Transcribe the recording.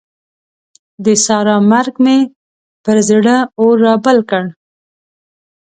د سارا مرګ مې پر زړه اور رابل کړ.